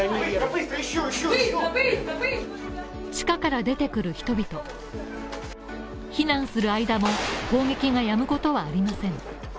地下から出てくる人々避難する間も攻撃が止むことはありません。